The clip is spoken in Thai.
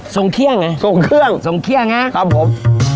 ส่งเครื่องไงส่งเครื่องส่งเครื่องไงครับผม